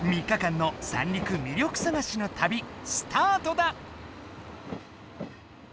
３日間の「三陸魅力さがしの旅」スタートだ。